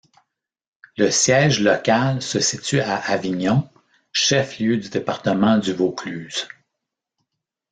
Le siège local se situe à Avignon, chef-lieu du département du Vaucluse.